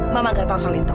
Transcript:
mama gak tau solinto